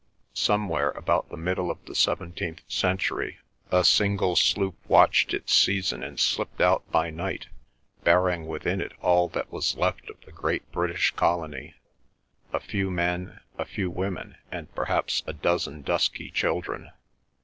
Somewhere about the middle of the seventeenth century a single sloop watched its season and slipped out by night, bearing within it all that was left of the great British colony, a few men, a few women, and perhaps a dozen dusky children.